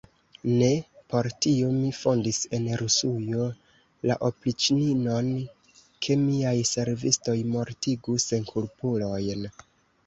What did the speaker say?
Ne por tio mi fondis en Rusujo la opriĉninon, ke miaj servistoj mortigu senkulpulojn.